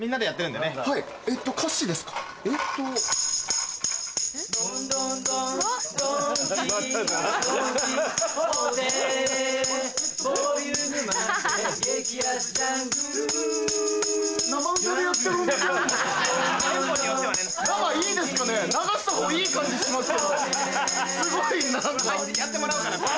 やってもらうから。